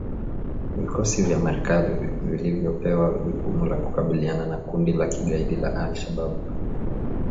Vikosi vya Marekani vilivyopewa jukumu la kukabiliana na kundi la kigaidi la al Shabab